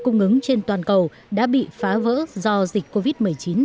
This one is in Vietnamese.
cung ứng trên toàn cầu đã bị phá vỡ do dịch covid một mươi chín